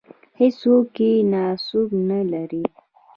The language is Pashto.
هېڅوک یې ناسوب نه لري.